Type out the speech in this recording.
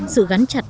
sự gắn chặt